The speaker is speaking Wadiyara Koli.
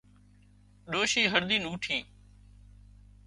ڏوشي هڙۮينَ اوٺي